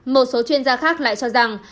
một số chuyên gia khác lại cho rằng